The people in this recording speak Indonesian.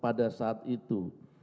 pada saat itu